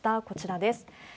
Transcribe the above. こちらです。